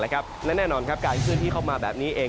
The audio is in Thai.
และแน่นอนการเคลื่อนที่เข้ามาแบบนี้เอง